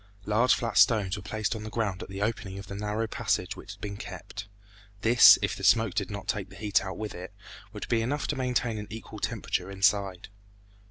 Large flat stones were placed on the ground at the opening of the narrow passage which had been kept. This, if the smoke did not take the heat out with it, would be enough to maintain an equal temperature inside.